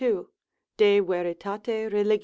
de veritat. relig.